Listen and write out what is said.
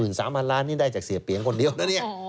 ๓๐๐ล้านนี่ได้จากเสียเปียงคนเดียวนะเนี่ย